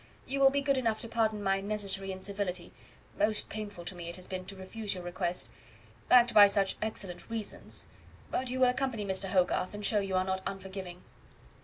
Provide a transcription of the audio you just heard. You will be good enough to pardon my necessary incivility: most painful to me it has been to refuse your request, backed by such excellent reasons, but you will accompany Mr. Hogarth, and show you are not unforgiving."